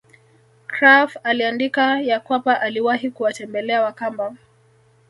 Krapf aliandika ya kwamba aliwahi kuwatembela Wakamba